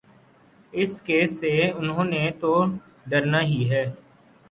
اس case سے انہوں نے تو ڈرنا ہی ہے۔